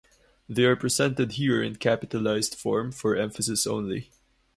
They are presented here in capitalized form for emphasis only.